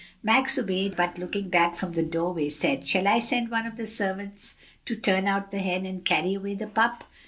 Max obeyed, but looking back from the doorway, asked, "Shall I send one of the servants to turn out the hen and carry away the pup?"